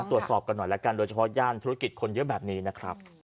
ตรวจสอบกันหน่อยแล้วกันโดยเฉพาะย่านธุรกิจคนเยอะแบบนี้นะครับ